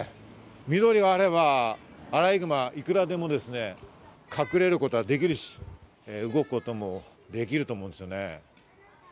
緑があれば、アライグマ、いくらでも隠れることができるし、動くこともできると思うんですよね。